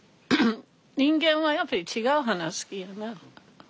人間はやっぱり違う花好きやな。